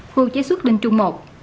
khu chế xuất đinh trung một